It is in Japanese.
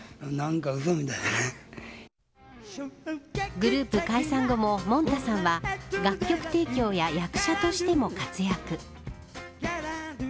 グループ解散後ももんたさんは、楽曲提供や役者としても活躍。